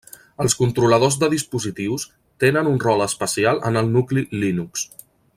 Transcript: Els controladors de dispositius tenen un rol especial en el nucli Linux.